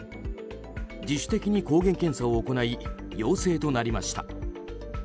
自主的に抗原検査を行い陽性となりました。